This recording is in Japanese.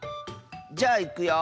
じゃあいくよ。